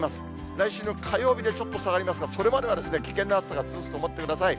来週の火曜日でちょっと下がりますが、それまではですね、危険な暑さが続くと思ってください。